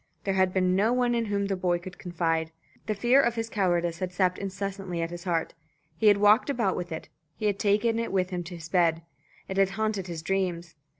There had been no one in whom the boy could confide. The fear of cowardice had sapped incessantly at his heart. He had walked about with it; he had taken it with him to his bed. It had haunted his dreams.